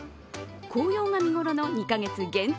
紅葉が見頃の２カ月限定